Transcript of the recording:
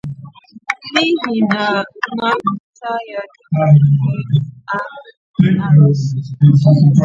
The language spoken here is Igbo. n'ihi na ha na-ahụta ya dịka ihe a gọọrọ arụsị